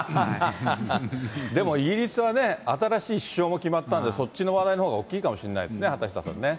でも、イギリスはね、新しい首相も決まったんで、そっちの話題のほうが大きいかもしれないですね、畑下さんね。